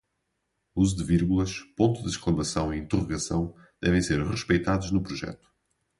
Uso de vírgulas, pontos de exclamação e interrogação devem ser respeitados no projeto